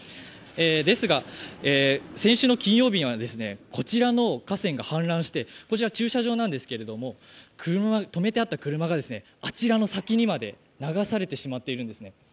ですが、先週の金曜日には、こちらの河川が氾濫してこちら駐車場なんですけれども止めてあった車があちらの先にまで流されてしまっているんですね。